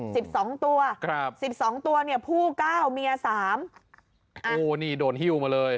สิบสองตัวสิบสองตัวผู้เก้าเมียสามอ่ะโอ้โฮนี่โดนฮิวมาเลย